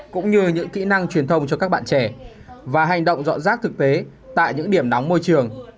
cũng như những kỹ năng truyền thông cho các bạn trẻ và hành động dọn rác thực tế tại những điểm nóng môi trường